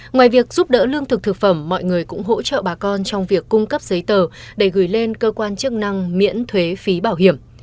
ngoài việc giúp đỡ lương thực thực phẩm mọi người cũng hỗ trợ bà con trong việc cung cấp giấy tờ để gửi lên cơ quan chức năng miễn thuế phí bảo hiểm